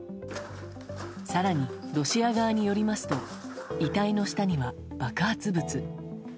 更に、ロシア側によりますと遺体の下には爆発物。